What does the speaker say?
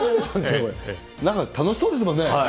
なんか楽しそうですもんね。